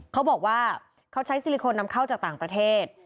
เขาบอกว่าเขาใช้ซิลิโคนนำเข้าจากต่างประเทศ